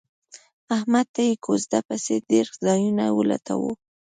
احمد ته یې کوزده پسې ډېر ځایونه ولټول